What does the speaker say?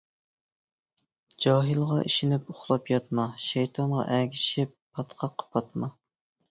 جاھىلغا ئىشىنىپ ئۇخلاپ ياتما، شەيتانغا ئەگىشىپ، پاتقاققا پاتما.